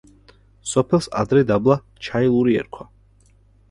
სოფელს ადრე დაბლა ჩაილური ერქვა.